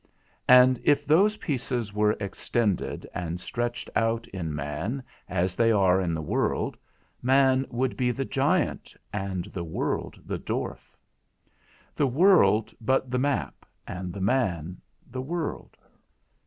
And if those pieces were extended, and stretched out in man as they are in the world, man would be the giant, and the world the dwarf; the world but the map, and the man the world.